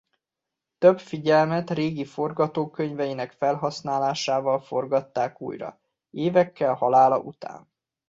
Több filmet régi forgatókönyveinek felhasználásával forgattak újra évekkel halála után.